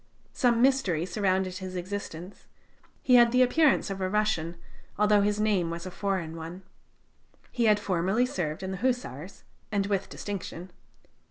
Some mystery surrounded his existence; he had the appearance of a Russian, although his name was a foreign one. He had formerly served in the Hussars, and with distinction.